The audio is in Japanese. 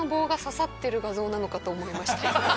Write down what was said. なのかと思いましたよ。